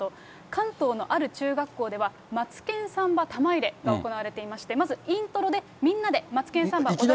関東のある中学校では、マツケンサンバ玉入れが行われていまして、まずイントロでみんなでマツケンサンバを踊ります。